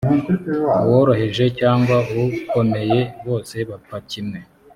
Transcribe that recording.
uworoheje cyangwa ukomeye bose bapfa kimwe